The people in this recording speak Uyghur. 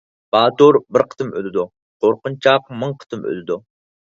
باتۇر بىر قېتىم ئۆلىدۇ، قورقۇنچاق مىڭ قېتىم ئۆلىدۇ.